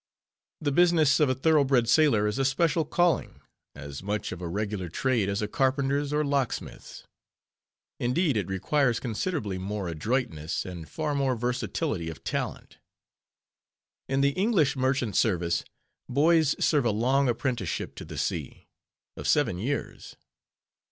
The business of a thorough bred sailor is a special calling, as much of a regular trade as a carpenter's or locksmith's. Indeed, it requires considerably more adroitness, and far more versatility of talent. In the English merchant service boys serve a long apprenticeship to the sea, of seven years.